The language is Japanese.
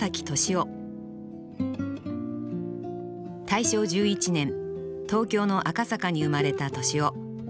大正１１年東京の赤坂に生まれた敏郎。